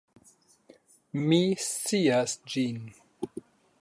Mi scias ĝin.